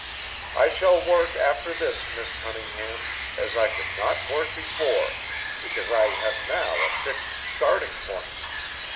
I shall work after this, Miss Cunningham, as I could not work before, because I have now a fixed starting point.